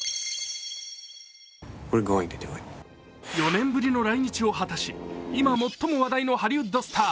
４年ぶりの来日を果たし、今最も話題のハリウッドスター、